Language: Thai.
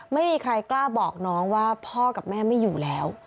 ไม่มีใครกล้าบอกน้องว่าพ่อกับแม่ไม่อยู่แล้ว